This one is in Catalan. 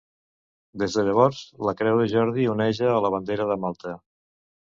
Des de llavors, la Creu de Jordi oneja a la bandera de Malta.